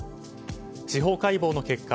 司法解剖の結果